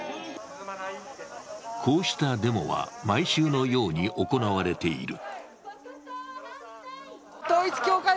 こうしたデモは毎週のように行われている。